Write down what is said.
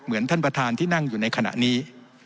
เหมือนท่านประธานที่นั่งอยู่ในขณะนี้